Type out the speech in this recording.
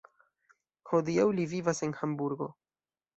Hodiaŭ li vivas en Hamburgo.